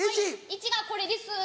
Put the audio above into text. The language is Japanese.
１がこれです。